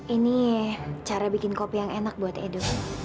ini cara bikin kopi yang enak buat edo